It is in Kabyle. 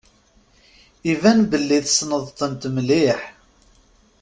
Iban belli tessneḍ-tent mliḥ.